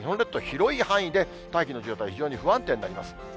広い範囲で、大気の状態、非常に不安定になります。